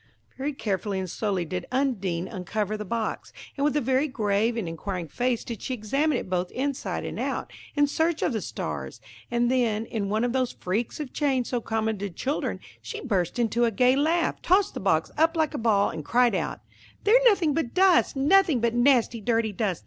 Very carefully and slowly did Undine uncover the box, and with a very grave and inquiring face did she examine it both inside and out, in search of the stars; and then, in one of those freaks of change so common to children, she burst into a gay laugh, tossed the box up like a ball, and cried out, "They're nothing but dust–nothing but nasty, dirty dust!